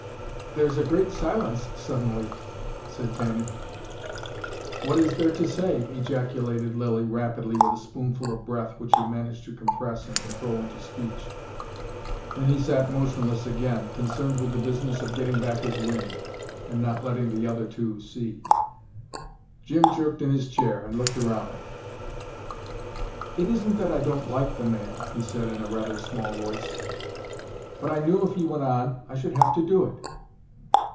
"There's a great silence, suddenly!" said Tanny. "What is there to say?" ejaculated Lilly rapidly, with a spoonful of breath which he managed to compress and control into speech. Then he sat motionless again, concerned with the business of getting back his wind, and not letting the other two see. Jim jerked in his chair, and looked round. "It isn't that I don't like the man," he said, in a rather small voice. "But I knew if he went on I should have to do it."